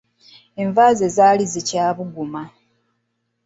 Enva ze zaali zikyabuguma.